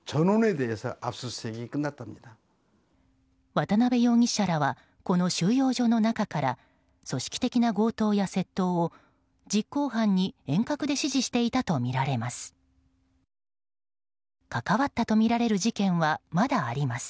渡辺容疑者らはこの収容所の中から組織的な強盗や窃盗を実行犯に遠隔で指示していたとみられます。